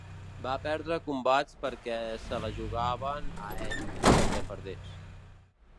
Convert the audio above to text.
Va perdre combats perquè se la jugaven a ell, perquè perdés.